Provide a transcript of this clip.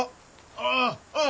あああっ！